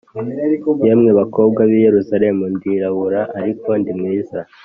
Yemwe bakobwa b i Yerusalemu ndirabura ariko ndi mwizi